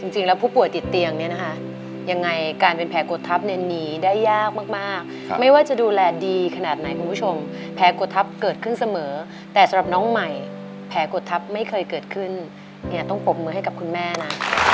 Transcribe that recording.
ผู้ป่วยติดเตียงเนี่ยนะคะยังไงการเป็นแผลกดทับเนี่ยหนีได้ยากมากไม่ว่าจะดูแลดีขนาดไหนคุณผู้ชมแผลกดทับเกิดขึ้นเสมอแต่สำหรับน้องใหม่แผลกดทับไม่เคยเกิดขึ้นเนี่ยต้องปรบมือให้กับคุณแม่นะ